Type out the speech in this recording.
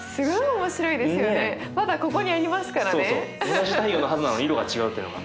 同じ太陽のはずなのに色が違うってのが。